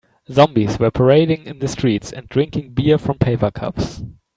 Zombies were parading in the streets and drinking beer from paper cups.